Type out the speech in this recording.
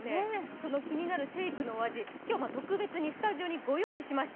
その気になるシェイクのお味、今日、特別にスタジオにご用意しました。